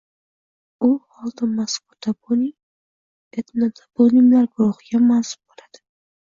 U holda mazkur toponim etnotoponimlar guruhiga mansub bo‘ladi